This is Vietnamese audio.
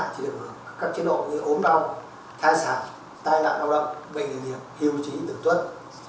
thì được các chế độ như ốm đau thai xạ tai nạn đau động bệnh nghiệp hiệu chí tử tuất